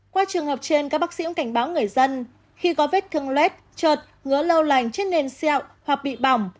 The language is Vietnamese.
qua trường hợp trên các bác sĩ cũng cảnh báo người dân khi có vết thương lết trợt ngứa lâu lành trên nền xeo hoặc bị bỏng